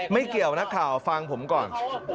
ไม่เกี่ยวนะครับฟังผมก่อน